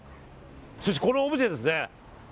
そして、このオブジェですね。